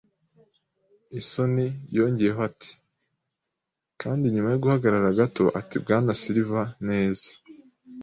isoni. Yongeyeho ati: "Kandi, nyuma yo guhagarara gato, ati:" Bwana Silver? Neza